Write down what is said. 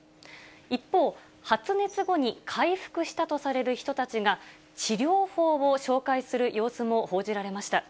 一方、発熱後に回復したとされる人たちが、治療法を紹介する様子も報じられました。